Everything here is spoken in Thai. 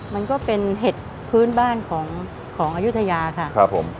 มันก็เป็นเห็ดพื้นบ้านของอายุทยาค่ะครับผม